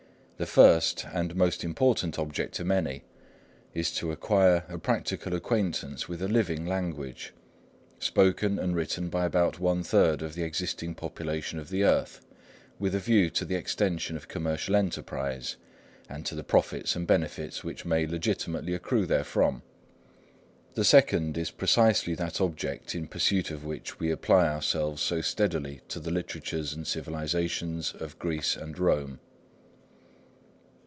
The first, and most important object to many, is to acquire a practical acquaintance with a living language, spoken and written by about one third of the existing population of the earth, with a view to the extension of commercial enterprise, and to the profits and benefits which may legitimately accrue therefrom. The second is precisely that object in pursuit of which we apply ourselves so steadily to the literatures and civilisations of Greece and Rome.